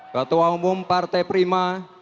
ketua umum partai prima